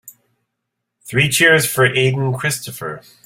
Three cheers for Aden Christopher.